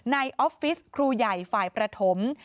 ออฟฟิศครูใหญ่ฝ่ายประถม